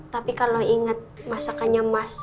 tapi kalau ingat masakannya emas